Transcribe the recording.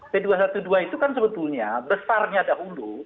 p dua ratus dua belas itu kan sebetulnya besarnya dahulu